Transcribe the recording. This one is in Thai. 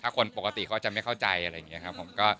ถ้าคนปกติเขาจะไม่เข้าใจอะไรอย่างนี้ครับผม